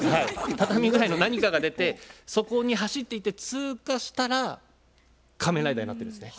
畳ぐらいの何かが出てそこに走っていって通過したら仮面ライダーになってるんですね。